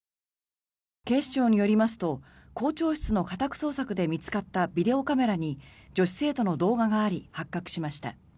警視庁によりますと校長室の家宅捜索で見つかったビデオカメラに女子生徒の動画があり発覚しました。